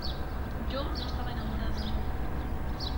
yo no estaba enamorada. no .